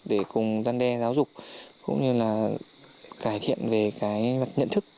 để cùng gian đe giáo dục cũng như là cải thiện về cái nhận thức